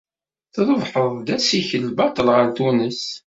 Trebḥed-d assikel baṭel ɣer Tunes.